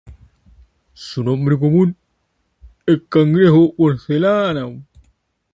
Su nombre común es cangrejo porcelana.